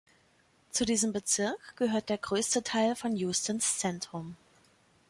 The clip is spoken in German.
Zu diesem Bezirk gehört der größte Teil von Houstons Zentrum.